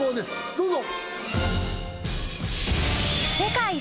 どうぞ。